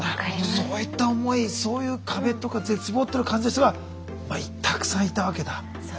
そういった思いそういう壁とか絶望っていうのを感じた人がたくさんいたわけだ。